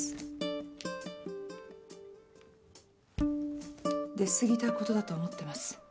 出過ぎたことだと思ってます。